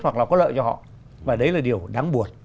hoặc là có lợi cho họ và đấy là điều đáng buồn